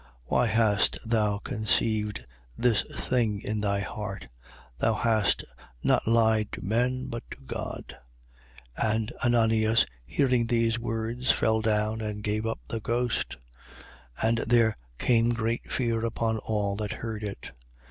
Why hast thou conceived this thing in thy heart? Thou hast not lied to men, but to God. 5:5. And Ananias, hearing these words, fell down and gave up the ghost. And there came great fear upon all that heard it.